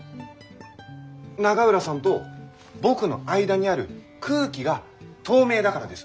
永浦さんと僕の間にある空気が透明だからです。